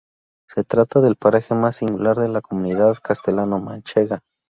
Se trata del paraje más singular de la comunidad castellano manchega.